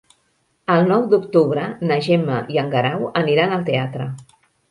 El nou d'octubre na Gemma i en Guerau aniran al teatre.